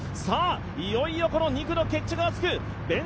いよいよ２区の決着がつく。